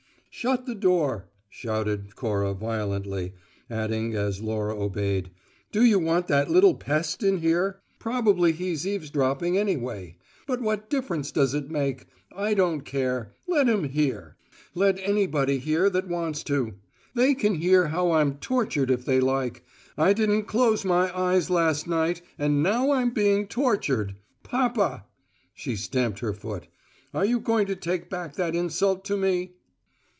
"Shut the door!" shouted Cora violently, adding, as Laura obeyed, "Do you want that little Pest in here? Probably he's eavesdropping anyway. But what difference does it make? I don't care. Let him hear! Let anybody hear that wants to! They can hear how I'm tortured if they like. I didn't close my eyes last night, and now I'm being tortured. Papa!" She stamped her foot. "Are you going to take back that insult to me?"